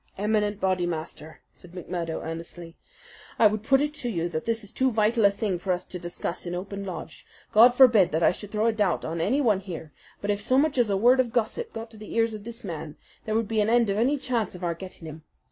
"Eminent Bodymaster," said McMurdo, earnestly, "I would put it to you that this is too vital a thing for us to discuss in open lodge. God forbid that I should throw a doubt on anyone here; but if so much as a word of gossip got to the ears of this man, there would be an end of any chance of our getting him.